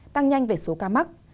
tăng nhanh về số ca mắc